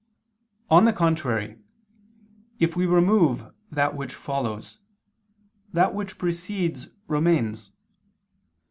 On the contrary, If we remove that which follows, that which precedes remains.